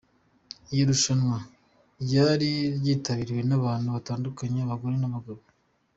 Iryo rushanwa ryari ryitabiriwe n’abantu batandukanye, abagore n’abagabo.